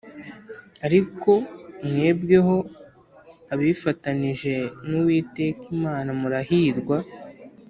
Ariko mwebweho abifatanije n’ Uwiteka Imana murahirwa